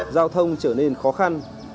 giao thông trở nên khó khăn